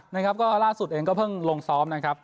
นะครับก็ล่าสุดเองก็เพิ่งลงซ้อมนะครับ